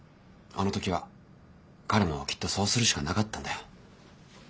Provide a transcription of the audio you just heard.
あの時は彼もきっとそうするしかなかったんだよ。